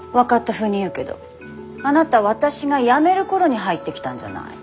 ふうに言うけどあなた私が辞める頃に入ってきたんじゃない。